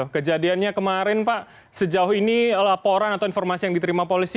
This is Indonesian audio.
kejadiannya kemarin pak sejauh ini laporan atau informasi yang diterima polisi